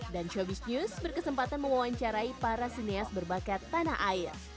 dan showbiz news berkesempatan mewawancarai para sinias berbakat tanah air